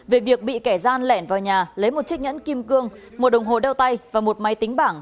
về việc bị kẻ gian lẻn vào nhà lấy một chiếc nhẫn kim cương một đồng hồ đeo tay và một máy tính bảng